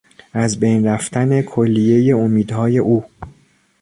از بین رفتن کلیهی امیدهای او